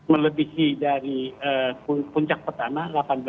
melebihi dari puncak pertama